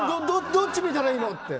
どっち見たらいいのって。